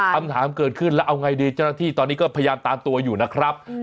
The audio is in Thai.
คำถามเกิดขึ้นแล้วเอาไงดีเจ้าหน้าที่ตอนนี้ก็พยายามตามตัวอยู่นะครับ